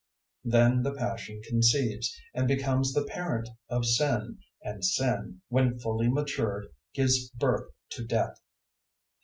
001:015 Then the passion conceives, and becomes the parent of sin; and sin, when fully matured, gives birth to death.